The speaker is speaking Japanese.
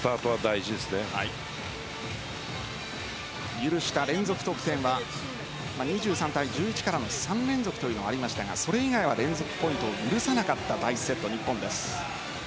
許した連続得点は２３対１１からの３連続というのがありましたがそれ以外は連続ポイントを許さなかった第１セット、日本です。